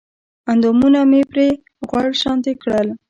اندامونه مې پرې غوړ شانتې کړل